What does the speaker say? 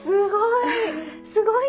すごい！